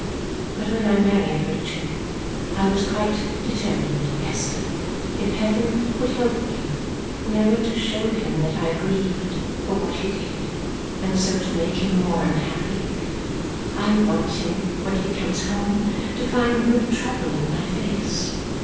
But when I married Richard I was quite determined, Esther, if heaven would help me, never to show him that I grieved for what he did and so to make him more unhappy. I want him, when he comes home, to find no trouble in my face.